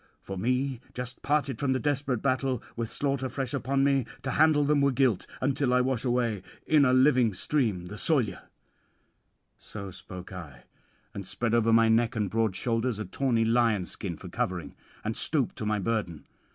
For me, just parted from the desperate battle, with slaughter fresh upon me, to handle them were guilt, until I wash away in a living stream the soilure. ..." So spoke I, and spread over my neck and broad shoulders a tawny lion skin for covering, and stoop to my burden.